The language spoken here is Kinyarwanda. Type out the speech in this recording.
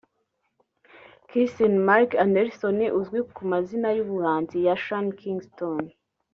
Kisean Marc Anderson uzwi ku mazina y’ubuhanzi ya Sean Kingston